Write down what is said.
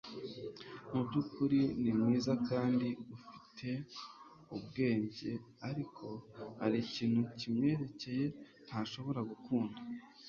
Mubyukuri ni mwiza kandi ufite ubwenge, ariko hari ikintu kimwerekeye ntashobora gukunda.